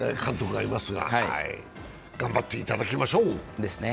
頑張っていただきましょう。